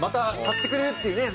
貼ってくれるっていうね